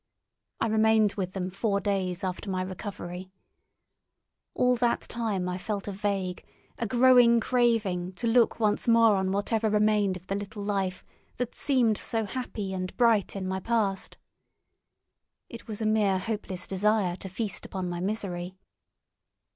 I remained with them four days after my recovery. All that time I felt a vague, a growing craving to look once more on whatever remained of the little life that seemed so happy and bright in my past. It was a mere hopeless desire to feast upon my misery.